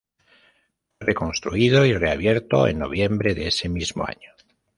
Fue reconstruido y reabierto en noviembre de ese mismo año.